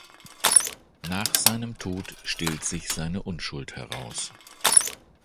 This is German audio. Nach seinem Tod stellt sich seine Unschuld heraus.